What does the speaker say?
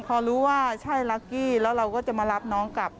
พอรู้ว่าใช่ลักกี้แล้วเราก็จะมารับน้องกลับ